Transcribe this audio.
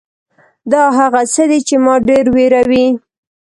دا هغه څه دي چې ما ډېر وېروي .